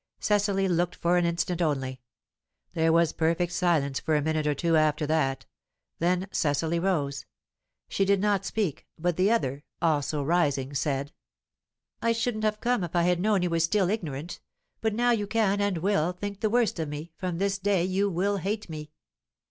Cecily looked for an instant only. There was perfect silence for a minute or two after that; then Cecily rose. She did not speak; but the other, also rising, said: "I shouldn't have come if I had known you were still ignorant. But now you can, and will, think the worst of me; from this day you will hate me."